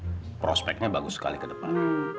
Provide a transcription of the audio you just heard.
dan percayaannya bagus sekali ke depan